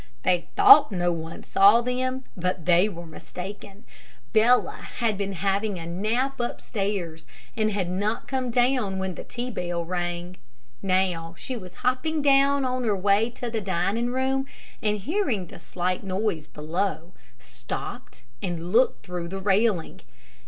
They thought no one saw them, but they were mistaken. Bella had been having a nap upstairs, and had not come down when the tea bell rang. Now she was hopping down on her way to the dining room, and hearing the slight noise below, stopped and looked through the railing.